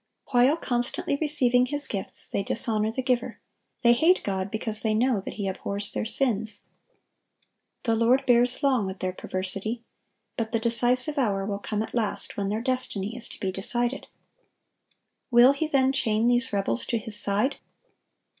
While constantly receiving His gifts, they dishonor the Giver; they hate God because they know that He abhors their sins. The Lord bears long with their perversity; but the decisive hour will come at last, when their destiny is to be decided. Will He then chain these rebels to His side?